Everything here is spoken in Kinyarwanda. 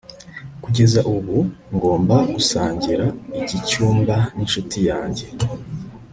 kugeza ubu, ngomba gusangira iki cyumba ninshuti yanjye